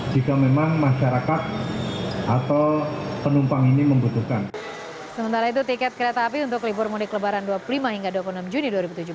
sementara itu tiket kereta api untuk libur mudik kelebaran dua puluh lima hingga dua puluh enam juni dua ribu tujuh belas